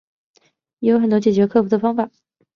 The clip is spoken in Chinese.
也有很多解决克服的方法